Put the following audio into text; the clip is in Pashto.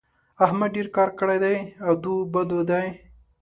احمد ډېر کار کړی دی؛ ادو بدو دی.